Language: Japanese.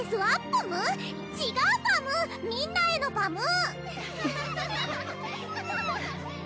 パム⁉ちがうパムみんなへのパム！